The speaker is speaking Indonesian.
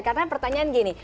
karena pertanyaan gini